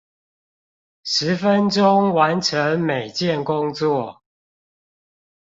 十分鐘完成每件工作